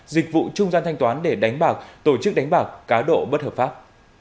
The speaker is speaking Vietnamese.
dịch vụ trung gian thanh toán để đánh bạc tổ chức đánh bạc cá độ bất hợp pháp